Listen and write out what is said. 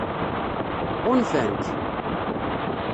Ɣunfan-k?